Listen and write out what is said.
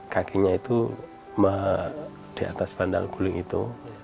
kakinya itu di atas pandang guling itu